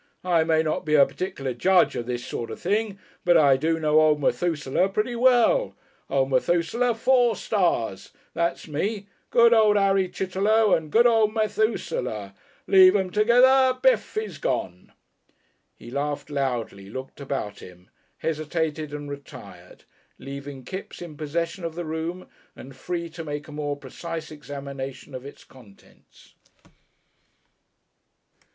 I may not be a particular judge of this sort of thing, but I do know old Methusaleh pretty well. Old Methusaleh four stars. That's me! Good old Harry Chitterlow and good old Methusaleh. Leave 'em together. Bif! He's gone!" He laughed loudly, looked about him, hesitated and retired, leaving Kipps in possession of the room and free to make a more precise examination of its contents.